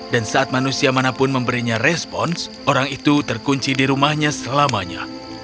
dan saat manusia manapun memberinya respon orang itu terkunci di rumahnya selamanya